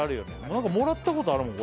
何かもらったことあるもん